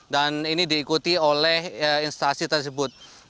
dan ini diikuti oleh instasi tersebut